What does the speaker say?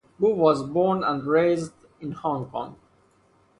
Wu was born and raised in Hong Kong.